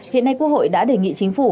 hiện nay quốc hội đã đề nghị chính phủ